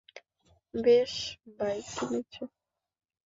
বেশি বাইক কিনেছে।